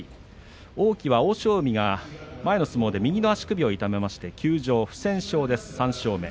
王輝は欧勝海、前の相撲で右の足首を痛めまして休場、不戦勝で３勝目。